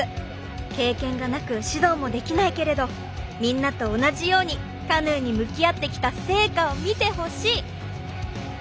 経験がなく指導もできないけれどみんなと同じようにカヌーに向き合ってきた成果を見てほしい！